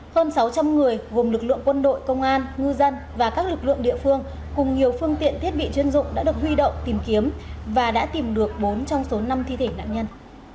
hơn sáu trăm linh người gồm lực lượng quân đội công an ngư dân và các lực lượng địa phương cùng nhiều phương tiện thiết bị chuyên dụng đã được huy động tìm kiếm và đã tìm được bốn trong số năm thi thể nạn nhân